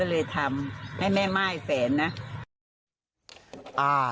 ก็เลยทำให้แม่ม่ายแฝนนะ